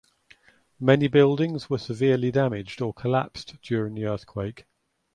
Many buildings were severely damaged or collapsed during the earthquake.